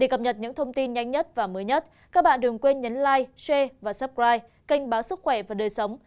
các bạn đừng quên nhấn like share và subscribe kênh báo sức khỏe và đời sống